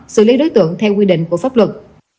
xử lý đối tượng theo quy định của pháp luật